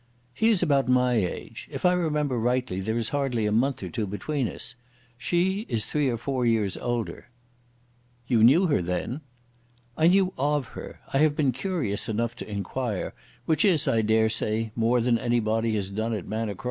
"He is about my age. If I remember rightly there is hardly a month or two between us. She is three or four years older." "You knew her then?" "I knew of her. I have been curious enough to enquire, which is, I dare say, more than any body has done at Manor Cross." "And is she so old?"